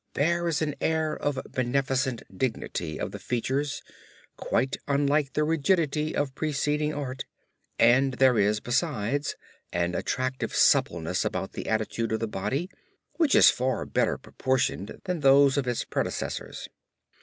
There is an air of beneficent dignity on the features quite unlike the rigidity of preceding art, and there is besides an attractive suppleness about the attitude of the body which is far better proportioned than those of its predecessors.